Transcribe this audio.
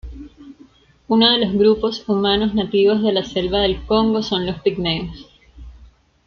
Uno de los grupos humanos nativos de la selva del Congo son los pigmeos.